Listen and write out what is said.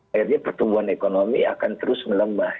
akhirnya pertumbuhan ekonomi akan terus melemah